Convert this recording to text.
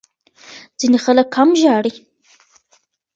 ځینې خلک کم ژاړي.